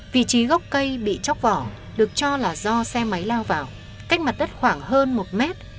vị trí gốc cây bị chóc vỏ được cho là do xe máy lao vào cách mặt đất khoảng hơn một mét